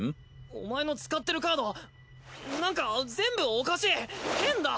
お前の使ってるカードなんか全部おかしい変だ！